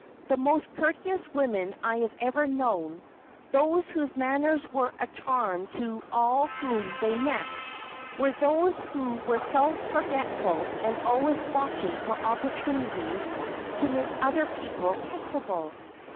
The most courteous women I have ever known, those whose manners were a charm to all whom they met, were those who were self forgetful and always watching for opportunities to make other people comfortable.